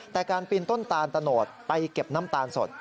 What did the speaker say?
แต่การปีนต้นตาลตะโนดไปเก็บน้ำตาลสด